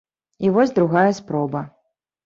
І вось другая спроба.